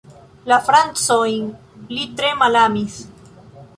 La francojn li tre malamis.